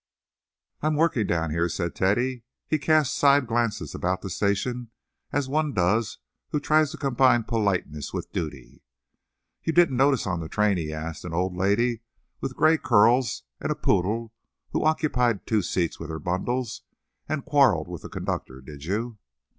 "I'm working down here," said Teddy. He cast side glances about the station as one does who tries to combine politeness with duty. "You didn't notice on the train," he asked, "an old lady with gray curls and a poodle, who occupied two seats with her bundles and quarrelled with the conductor, did you?"